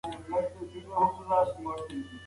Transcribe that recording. آیا ته غواړې چې زموږ د پټي پوله په خپل لور ورېبې؟